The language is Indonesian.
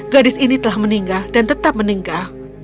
gadis ini telah meninggal dan tetap meninggal